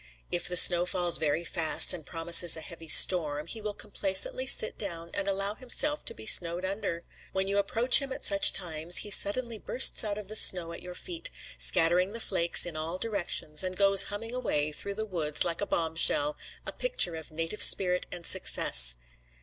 If the snow falls very fast, and promises a heavy storm, he will complacently sit down and allow himself to be snowed under. When you approach him at such times, he suddenly bursts out of the snow at your feet, scattering the flakes in all directions, and goes humming away through the woods like a bomb shell, a picture of native spirit and success.